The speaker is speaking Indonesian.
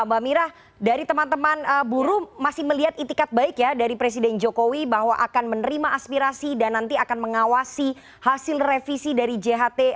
mbak mirah dari teman teman buruh masih melihat itikat baik ya dari presiden jokowi bahwa akan menerima aspirasi dan nanti akan mengawasi hasil revisi dari jht